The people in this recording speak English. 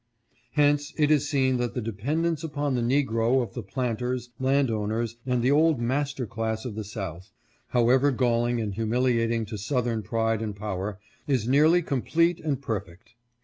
" Hence it is seen that the dependence upon the negro of the planters, land owners, and the old master class of the South, however galling and humiliating to Southern pride and power, is nearly complete and perfect.